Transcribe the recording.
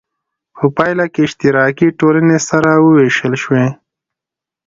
په پایله کې اشتراکي ټولنې سره وویشل شوې.